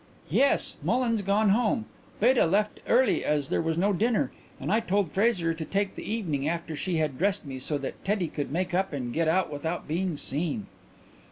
"Yes. Mullins gone home. Beta left early as there was no dinner, and I told Fraser to take the evening after she had dressed me so that Teddy could make up and get out without being seen."